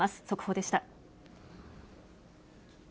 速報でした。